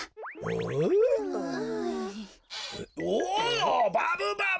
おバブバブ！